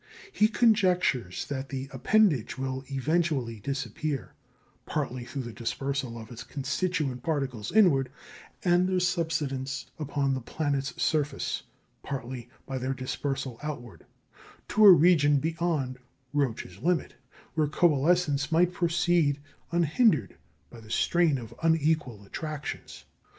He conjectures that the appendage will eventually disappear, partly through the dispersal of its constituent particles inward, and their subsidence upon the planet's surface, partly by their dispersal outward, to a region beyond "Roche's limit," where coalescence might proceed unhindered by the strain of unequal attractions.